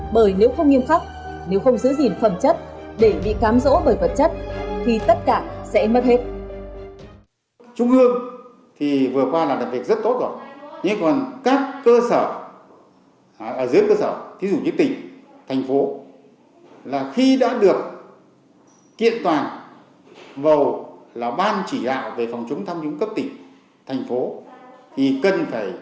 bởi nếu không nghiêm khắc nếu không giữ gìn phẩm chất để bị cám dỗ bởi vật chất thì tất cả sẽ mất hết